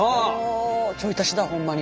ちょい足しだホンマに。